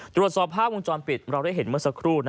ตรวจสอบภาพวงจรปิดเราได้เห็นเมื่อสักครู่